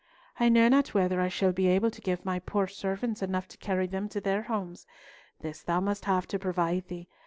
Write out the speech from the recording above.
"I know not whether I shall be able to give my poor faithful servants enough to carry them to their homes. This thou must have to provide thee.